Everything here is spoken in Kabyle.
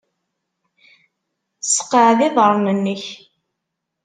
Sseqɛed iḍarren-nnek.